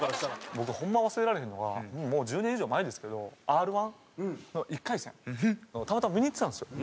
僕ホンマ忘れられへんのがもう１０年以上前ですけどＲ−１の１回戦たまたま見に行ってたんですよ。